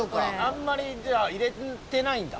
あんまりじゃあ入れてないんだ。